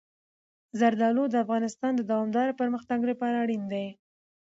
زردالو د افغانستان د دوامداره پرمختګ لپاره اړین دي.